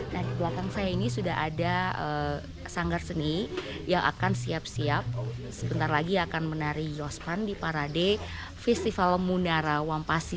nah di belakang saya ini sudah ada sanggar seni yang akan siap siap sebentar lagi akan menari yospan di parade festival munara wampasi